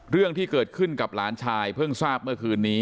เรื่องที่เกิดขึ้นกับหลานชายเพิ่งทราบเมื่อคืนนี้